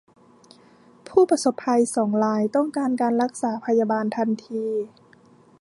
ผู้ประสบภัยสองรายต้องการการรักษาพยาบาลทันที